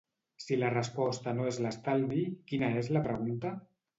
Si la resposta no és l'estalvi, quina és la pregunta?